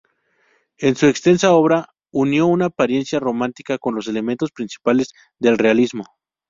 En su extensa obra unió una apariencia romántica con los elementos principales del realismo.